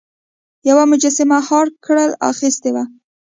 یوه مجسمه هارکر اخیستې وه.